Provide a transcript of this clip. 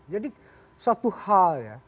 jadi suatu hal ya